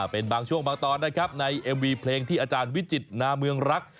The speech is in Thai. เป็นบางช่วงบางตอนนะครับในเอ็มวีเพลงที่อาจารย์วิจิตนาเมืองรัก